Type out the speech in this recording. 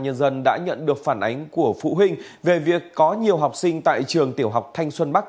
nhân dân đã nhận được phản ánh của phụ huynh về việc có nhiều học sinh tại trường tiểu học thanh xuân bắc